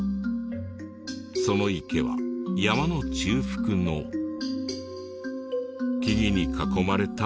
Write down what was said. その池は山の中腹の木々に囲まれた場所に。